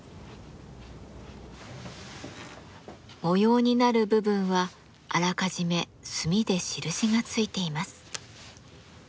模様になる部分はあらかじめ墨で印がついています。